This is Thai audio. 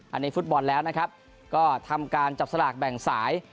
อันนี้ฟุตบอลแล้วนะครับก็ทำการจับสลากแบ่งสาย